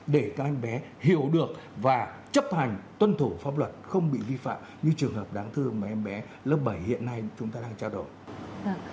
để các em bé hiểu được và chấp hành tuân thủ pháp luật không bị vi phạm như trường hợp đáng thương mà em bé lớp bảy hiện nay chúng ta đang trao đổi